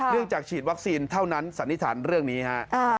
จากฉีดวัคซีนเท่านั้นสันนิษฐานเรื่องนี้ฮะ